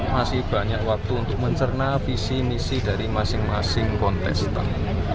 masih banyak waktu untuk mencerna visi misi dari masing masing kontestan